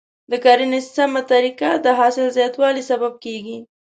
د کرنې سمه طریقه د حاصل زیاتوالي سبب کیږي.